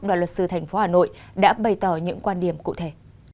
đoàn luật sư thành phố hà nội đã bày tỏ những quan điểm cụ thể